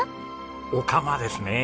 御釜ですね。